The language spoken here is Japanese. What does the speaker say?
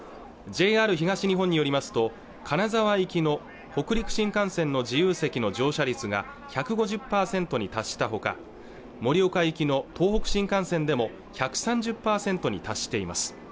ＪＲ東日本によりますと金沢行きの北陸新幹線の自由席の乗車率が１５０％に達したほか盛岡行きの東北新幹線でも１３０％に達しています